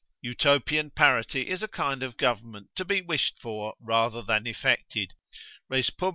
Utopian parity is a kind of government, to be wished for, rather than effected, Respub.